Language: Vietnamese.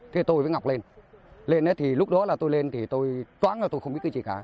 thế tôi mới ngọc lên lên thì lúc đó là tôi lên thì tôi choãng là tôi không biết cái gì cả